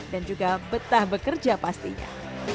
dan juga betah bekerja pastinya